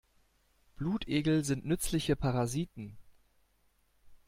Blutegel sind nützliche Parasiten.